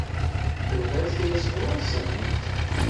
Tebɣiḍ kra sɣur-sent?